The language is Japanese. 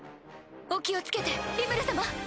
お気を付けてリムル様！